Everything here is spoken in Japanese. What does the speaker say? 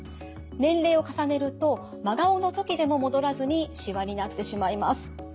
年齢を重ねると真顔の時でも戻らずにしわになってしまいます。